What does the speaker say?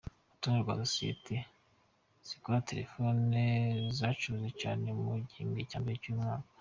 Urutonde rwa sosiyete zikora telefoni zacuruje cyane mu gihembwe cya mbere cy’uyu mwaka .